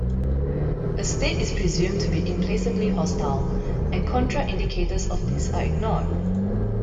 A state is presumed to be implacably hostile, and contra-indicators of this are ignored.